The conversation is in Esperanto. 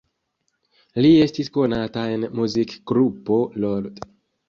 Li estis konata en muzikgrupo "Lord".